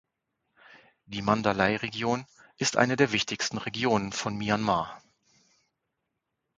Die Mandalay-Region ist eine der wichtigsten Regionen von Myanmar.